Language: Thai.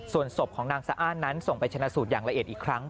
ส่วนศพของนางสะอ้านนั้นส่งไปชนะสูตรอย่างละเอียดอีกครั้ง